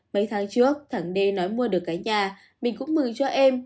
mấy tháng trước thằng đê nói mua được cái nhà mình cũng mừng cho em